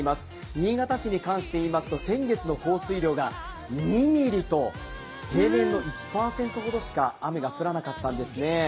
新潟市に関して言いますと先月の降水量が２ミリと平年の１％ほどしか雨が降らなかったんですね。